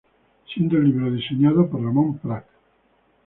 Siendo el libro diseñado por Ramón Prat.